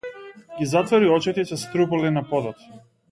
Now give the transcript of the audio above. Ги затвори очите и се струполи на подот.